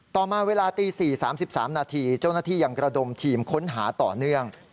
ต่อมาเวลาตี๔๓๓นาทีเจ้าหน้าที่ยังกระดมทีมค้นหาต่อเนื่อง